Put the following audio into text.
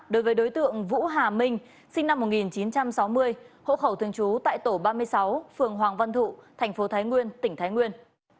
đối với đối tượng vũ hà minh sinh năm một nghìn chín trăm sáu mươi hộ khẩu thường trú tại tổ ba mươi sáu phường hoàng văn thụ thành phố thái nguyên tỉnh thái nguyên